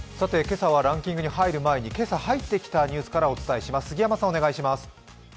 今朝はランキングに入る前に今朝入ってきたニュースからお伝えします。